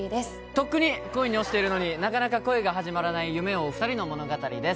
とっくに恋に落ちてるのになかなか恋が始まらない夢を追う２人の物語です